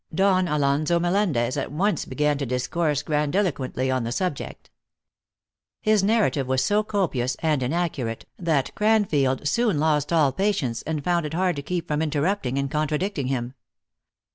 Don Alonzo Melendez at once began to discourse gran diloquently on the subject. His narrative was so copious and inaccurate, that Craniield soon lost all pa tience, and found it hard to keep from interrupting and contradicting him.